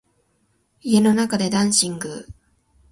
家の中でダンシング